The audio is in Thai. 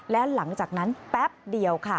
และหลังจากนั้นแป๊บเดียวค่ะ